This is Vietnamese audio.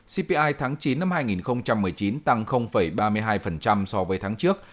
cpi tháng chín năm hai nghìn một mươi chín tăng ba mươi hai so với tháng trước